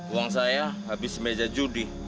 uang saya habis meja judi